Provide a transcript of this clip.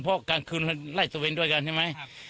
เพราะกลางคืนมันไล่ตะเวนด้วยกันใช่ไหม